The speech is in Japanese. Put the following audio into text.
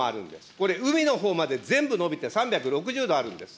これ、海のほうまで全部延びて、３６０度あるんです。